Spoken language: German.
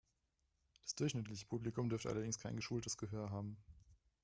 Das durchschnittliche Publikum dürfte allerdings kein geschultes Gehör haben.